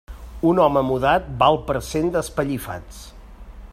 Un home mudat val per cent d'espellifats.